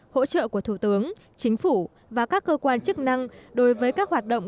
hỗ trợ của thủ tướng chính phủ và các cơ quan chức năng đối với các hoạt động